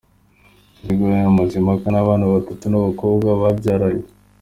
Jolly Rwanyonga Mazimpaka, n’abana batatu b’abakobwa babyaranye.